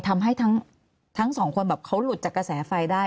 ทำให้ทั้งสองคนแบบเขาหลุดจากกระแสไฟได้